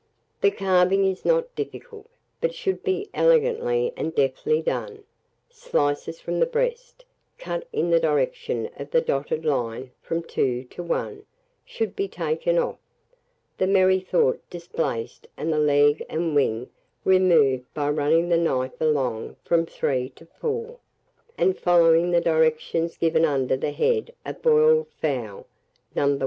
The carving is not difficult, but should be elegantly and deftly done. Slices from the breast, cut in the direction of the dotted line from 2 to 1, should be taken off, the merrythought displaced and the leg and wing removed by running the knife along from 3 to 4, and following the directions given under the head of boiled fowl, No.